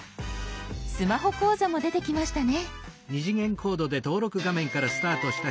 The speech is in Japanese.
スマホ講座も出てきましたね。